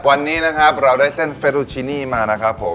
วันนี้เรามีเส้นเฟรรุชินีมานะครับ